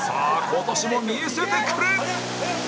今年も見せてくれ！